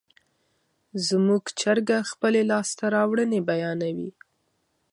زموږ چرګه خپلې لاسته راوړنې بیانوي.